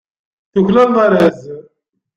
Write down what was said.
Tuklaleḍ arraz.